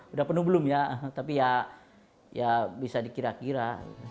udah penuh belum ya tapi ya bisa dikira kira